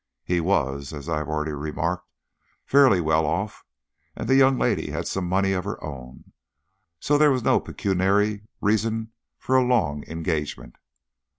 He was, as I have already remarked, fairly well off, and the young lady had some money of her own, so that there was no pecuniary reason for a long engagement.